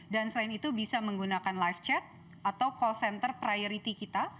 dan selain itu bisa menggunakan live chat atau call center priority kita